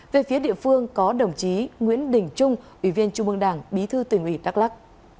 về phía địa phương có đồng chí nguyễn đình trung ủy viên trung mương đảng bí thư tỉnh ủy đắk lắc